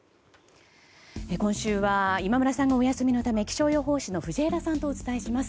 今週は今村さんがお休みのため気象予報士の藤枝さんとお伝えします。